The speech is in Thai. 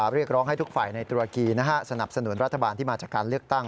เรียกร้องให้ทุกฝ่ายในตุรกีสนับสนุนรัฐบาลที่มาจากการเลือกตั้ง